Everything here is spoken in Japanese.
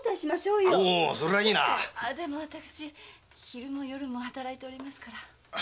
あでも私昼も夜も働いておりますから。